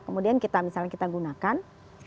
kemudian kita misalnya kita gunakan